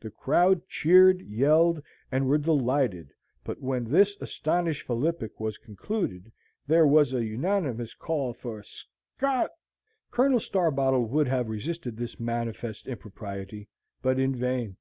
The crowd cheered, yelled, and were delighted, but when this astounding philippic was concluded, there was a unanimous call for "Scott!" Colonel Starbottle would have resisted this manifest impropriety, but in vain.